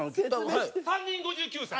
３人５９歳。